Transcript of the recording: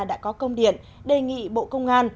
đã có công điện đề nghị bộ công an